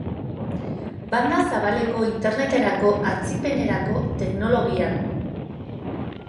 Banda zabaleko interneterako atzipenerako teknologia da.